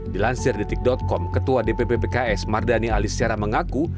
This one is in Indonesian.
di lansir com ketua dpp pks mardani alisera mengaku